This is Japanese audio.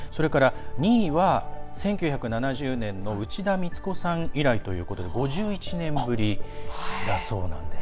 ２位は１９７０年の内田光子さん以来ということで５１年ぶりだそうなんです。